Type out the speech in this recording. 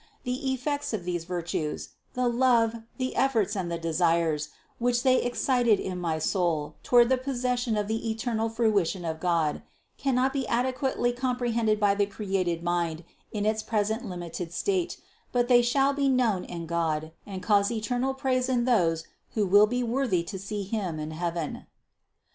The effects of these virtues, the love, the efforts and the desires which they excited in my soul toward the possession of the eternal fruition of God, cannot be adequately comprehended by the created mind in its present limited state, but they shall be known in God and cause eternal praise in those who will be worthy to see Him in heaven.